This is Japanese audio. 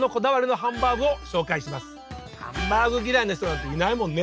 ハンバーグ嫌いな人なんていないもんね。